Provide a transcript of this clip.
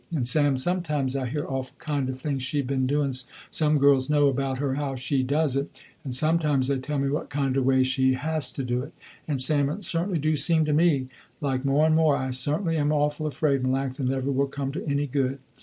And Sam sometimes I hear awful kind of things she been doing, some girls know about her how she does it, and sometimes they tell me what kind of ways she has to do it, and Sam it certainly do seem to me like more and more I certainly am awful afraid Melanctha never will come to any good.